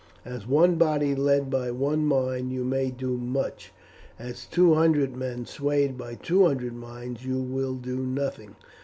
As one body led by one mind you may do much; as two hundred men swayed by two hundred minds you will do nothing.